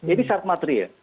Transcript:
ini syarat material